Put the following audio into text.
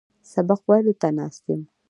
سبق ویلو ته ناست یم.